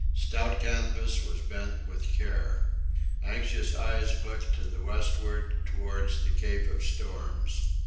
Stout canvas was bent with care. Anxious eyes looked to the westward, towards the cape of storms.